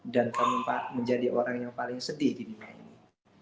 dan kamu menjadi orang yang paling sedih di dunia ini